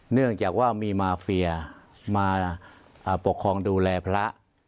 เนื่องจากว่ามีมาเฟียมาปกครองดูแลพระ